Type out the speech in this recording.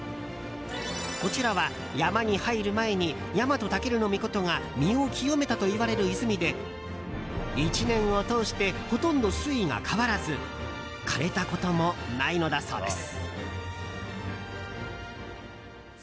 こちらは山に入る前にヤマトタケルノミコトが身を清めたといわれる泉で１年を通してほとんど水位が変わらず枯れたこともないのだそうです。